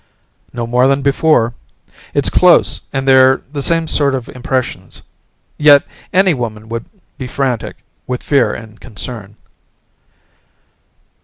"No more than before. It's close and they're the same set of impressions Yet, any woman would be frantic with fear and concern."